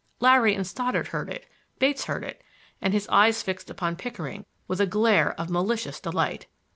Larry and Stoddard heard it; Bates heard it, and his eyes fixed upon Pickering with a glare of malicious delight.